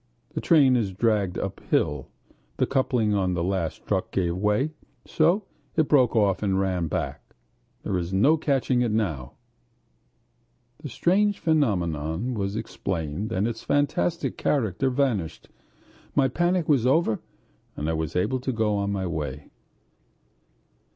the train is dragged uphill. The coupling on the last truck gave way, so it broke off and ran back.... There is no catching it now!..." The strange phenomenon was explained and its fantastic character vanished. My panic was over and I was able to go on my way.